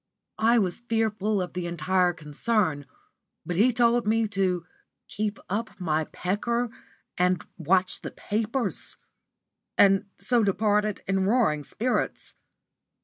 I was fearful of the entire concern, but he told me to "keep up my pecker and watch the papers," and so departed in roaring spirits.